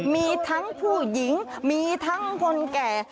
มีทั้งผู้หญิงมีทั้งคนแก่